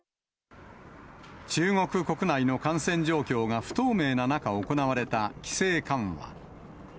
中国国内の感染状況が不透明な中、行われた規制緩和。